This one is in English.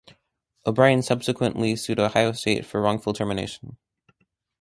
O'Brien subsequently sued Ohio State for wrongful termination.